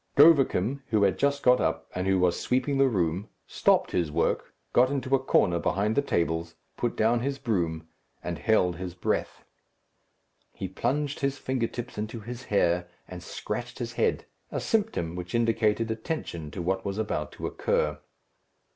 Govicum, who had just got up, and who was sweeping the room, stopped his work, got into a corner behind the tables, put down his broom, and held his breath. He plunged his fingers into his hair, and scratched his head, a symptom which indicated attention to what was about to occur.